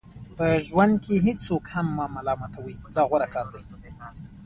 په ژوند کې هیڅوک هم مه ملامتوئ دا غوره کار دی.